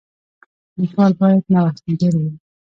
لیکوال باید نوښتګر وي.